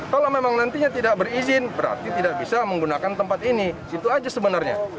kalau memang nantinya tidak berizin berarti tidak bisa menggunakan tempat ini itu aja sebenarnya